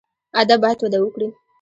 ادب باید وده وکړي